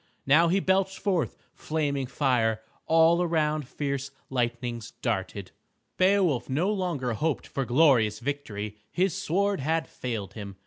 Now he belched forth flaming fire. All around fierce lightnings darted. Beowulf no longer hoped for glorious victory. His sword had failed him.